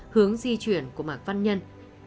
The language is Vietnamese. hướng di chuyển của mạc văn nhân